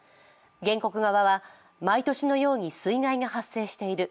原告側は毎年のように水害が発生している。